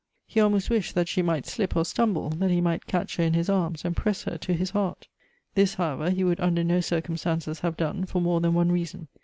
He almost wished that she might slip or stumble, that ho might catch her in his aims and press her to his heart. This, however, he would under no circumstances have done, for more than one reason.